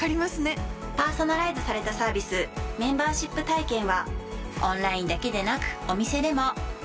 パーソナライズされたサービスメンバーシップ体験はオンラインだけでなくお店でも。